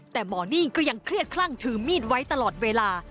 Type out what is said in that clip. แต่หมอนิ่งก็ยังเครียดคลั่งถือมีดไว้ตลอดเวลา